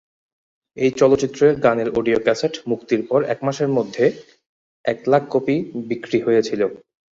এই চলচ্চিত্রের গানের অডিও ক্যাসেট মুক্তির পর এক মাসের মধ্য এক লাখ কপি বিক্রি হয়েছিল।